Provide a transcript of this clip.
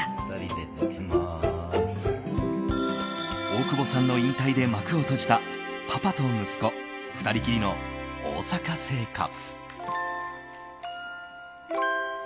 大久保さんの引退で幕を閉じたパパと息子、２人きりの大阪生活。